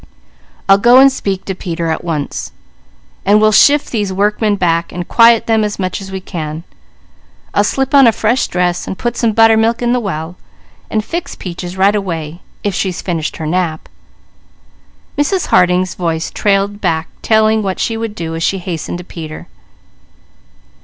"I'll go and speak to Peter at once, then we'll shift these workmen back, and quiet them as much as we can. I'll slip on a fresh dress, and put some buttermilk in the well, and fix Peaches right away, if she's finished her nap " Mrs. Harding's voice trailed back telling what she would do as she hastened to Peter.